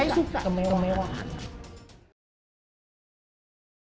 saya mau suka mewah